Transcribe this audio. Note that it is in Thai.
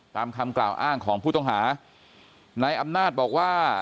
ตามคำกล่าวอ้างของผู้ต้องหานายอำนาจบอกว่า